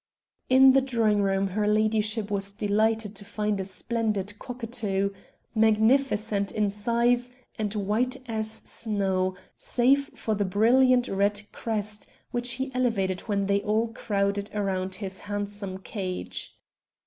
In the drawing room her ladyship was delighted to find a splendid cockatoo, magnificent in size and white as snow, save for the brilliant red crest which he elevated when they all crowded round his handsome cage.